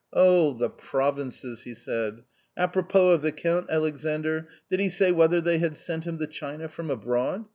" Oh, the provinces !" he said ;" a propos of the Count, Alexandr, did he say whether they had sent him the china from abroad?